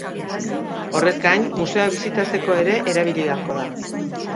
Horrez gain, museoak bisitatzeko ere erabili ahalko da.